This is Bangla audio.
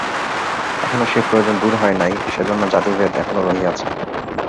এখনও সেই প্রয়োজন দূর হয় নাই, সেজন্য জাতিভেদ এখনও রহিয়াছে।